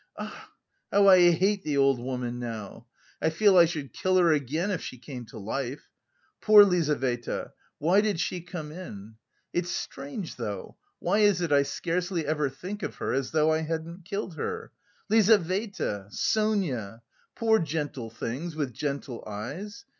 "Ah, how I hate the old woman now! I feel I should kill her again if she came to life! Poor Lizaveta! Why did she come in?... It's strange though, why is it I scarcely ever think of her, as though I hadn't killed her? Lizaveta! Sonia! Poor gentle things, with gentle eyes....